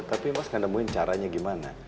tapi mas kamu nemuin caranya gimana